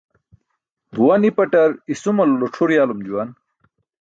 Buwa nipaṭar isumalulu c̣ʰur yalum juwaan.